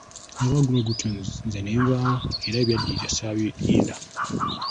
Nalaba guli gutyo, nze nenvaawo era ebyaddirira, saabirinda.